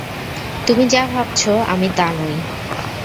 তুমি যা ভাবছো, আমি তা নই।